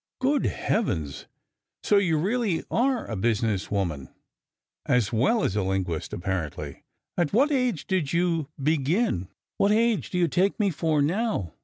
"Good heavens! So you really are a business woman, as well as a linguist, apparently. At what age did you begin?" "What age do you take me for now?